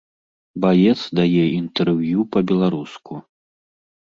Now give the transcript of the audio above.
Баец дае інтэрв'ю па-беларуску.